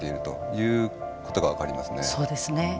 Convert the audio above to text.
そうですね。